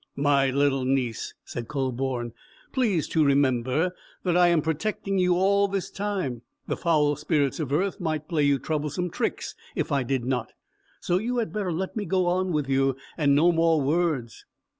"My little niece," said Kühleborn, "please to remember that I am protecting you all this time; the foul Spirits of Earth might play you troublesome tricks if I did not. So you had better let me go on with you, and no more words.